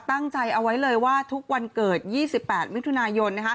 ตั้งใจเอาไว้เลยว่าทุกวันเกิด๒๘มิถุนายน